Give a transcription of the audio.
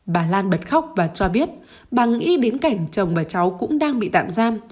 bà lan bật khóc và cho biết bà nghĩ đến cảnh chồng và cháu cũng đang bị tạm giam